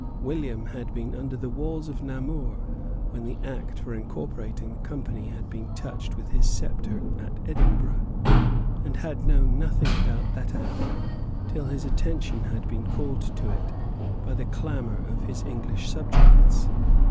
William had been under the walls of Namur when the Act for incorporating the Company had been touched with his sceptre at Edinburgh, and had known nothing about that Act till his attention had been called to it by the clamour of his English subjects.